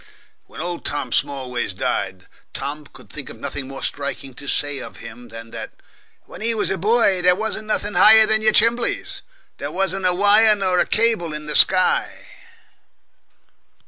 When old Smallways died, Tom could think of nothing more striking to say of him than that, "When he was a boy, there wasn't nothing higher than your chimbleys there wasn't a wire nor a cable in the sky!"